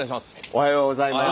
おはようございます。